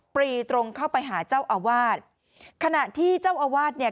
ปรีตรงเข้าไปหาเจ้าอาวาสขณะที่เจ้าอาวาสเนี่ย